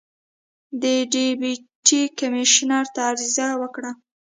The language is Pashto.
د ډیپټي کمیشنر ته عریضه وکړه.